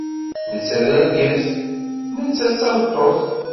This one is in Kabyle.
Netta d argaz, nettat d tameṭṭut